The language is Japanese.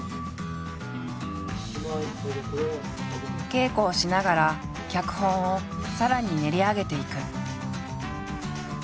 稽古をしながら脚本をさらに練り上げていく。